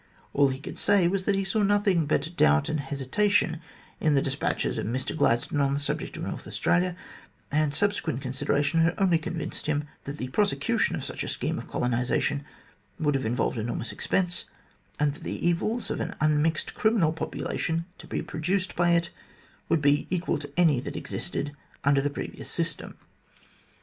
All he could say was that he saw nothing but doubt and hesitation in the despatches of Mr Gladstone on the subject of North Australia, and subsequent consideration had only convinced him that the prosecution of such a scheme of colonisation would have involved enormous expense, and that the evils of an unmixed criminal population to be produced by it would be equal to any that existed under the previous system.